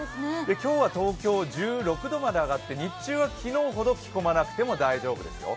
今日は東京１６度まで上がって日中は昨日ほど着込まなくても大丈夫ですよ。